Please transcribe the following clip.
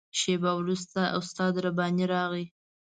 شېبه وروسته استاد رباني راغی.